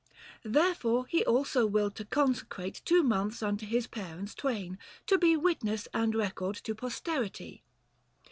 Therefore he also willed to consecrate, Two months unto his parents twain, to be 65 Witness and record to posterity.